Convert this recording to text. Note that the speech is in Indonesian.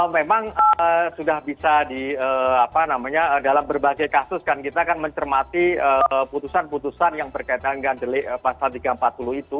memang sudah bisa di apa namanya dalam berbagai kasus kan kita kan mencermati putusan putusan yang berkaitan dengan delik pasal tiga ratus empat puluh itu